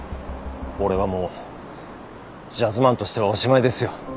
俺はもうジャズマンとしてはおしまいですよ。